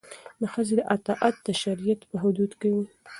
د ښځې اطاعت د شریعت په حدودو کې وي.